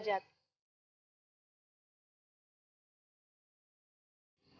lalu ibu andin berdiri di samping ibu andin